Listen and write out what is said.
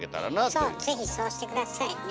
そう是非そうして下さいね。